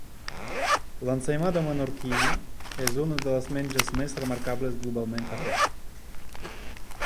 L'ensaïmada menorquina és una de les menges més remarcables globalment parlant.